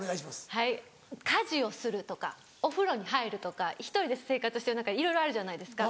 はい家事をするとかお風呂に入るとか１人で生活してる中でいろいろあるじゃないですか。